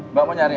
mbak mau cari hp